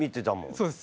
そうです。